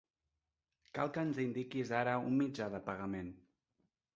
Cal que ens indiquis ara un mitjà de pagament.